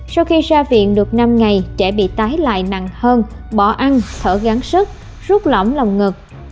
sau khi ra viện được năm ngày trẻ bị tái lại nặng hơn bỏ ăn thở gắng sức rút lỏng lòng ngực